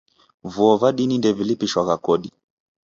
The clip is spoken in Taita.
Vuo va dini ndevilipishwagha kodi.